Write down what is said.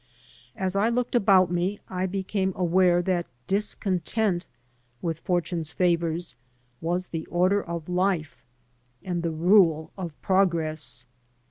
As I looked about me I became aware that discontent with f ortime's favors was the order of life and the rule of progress.